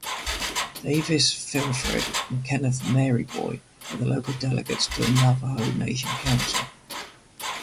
Davis Filfred and Kenneth Maryboy are the local delegates to the Navajo Nation Council.